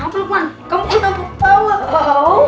kuman kenapa kuman kamu ketawa ketawa